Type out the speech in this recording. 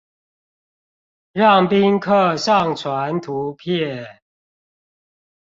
讓賓客上傳圖片